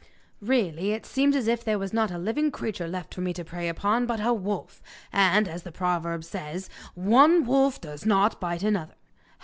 Really it seems as if there was not a living creature left for me to prey upon but a wolf, and, as the proverb says: "One wolf does not bite another."